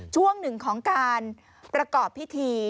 ช่วงหนึ่งของการประกอบพิธี